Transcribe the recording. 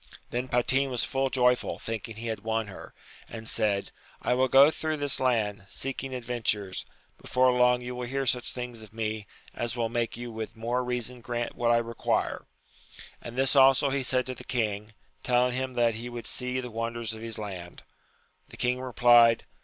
Then Patin was full joyful, thinking he had won her, and said, I will go through this land, seeking adventures ; before long you will hear such things of me, as will make you with more reason grant what I require. And this also he said to the king, telling him that he would see the wonders of his land. The king replied.